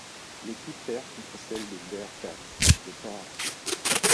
L'équipe perd contre celle des Bearcats de Port Arthur.